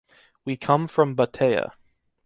We come from Batea.